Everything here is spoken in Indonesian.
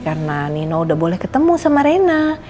karena nino udah boleh ketemu sama rena